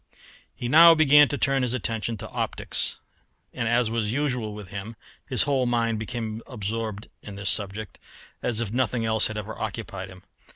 He now began to turn his attention to optics, and, as was usual with him, his whole mind became absorbed in this subject as if nothing else had ever occupied him.